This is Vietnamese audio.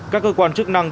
các cơ quan chức năng